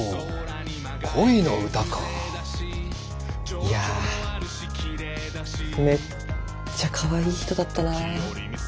いやめっちゃかわいい人だったな。